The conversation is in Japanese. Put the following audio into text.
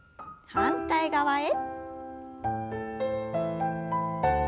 反対側へ。